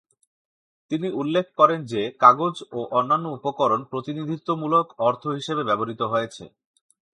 তিনি উল্লেখ করেন যে, কাগজ ও অন্যান্য উপকরণ প্রতিনিধিত্বমূলক অর্থ হিসেবে ব্যবহৃত হয়েছে।